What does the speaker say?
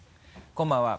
こんばんは。